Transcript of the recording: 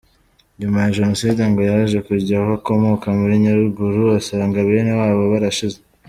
Nyuma ya jenoside ngo yaje kujya aho akomoka muri Nyaruguru, asanga benewabo barashize.